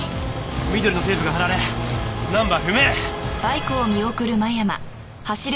緑のテープが貼られナンバー不明！